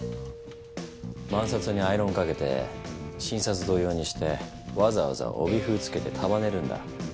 万札にアイロンかけて新札同様にしてわざわざ帯封付けて束ねるんだ。